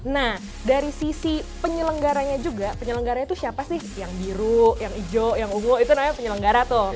nah dari sisi penyelenggaranya juga penyelenggara itu siapa sih yang biru yang hijau yang unggul itu namanya penyelenggara tuh